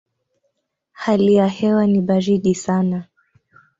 Hali ya hewa ni baridi sana.